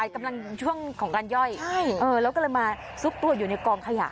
กำลังช่วงของการย่อยแล้วก็เลยมาซุกตัวอยู่ในกองขยะ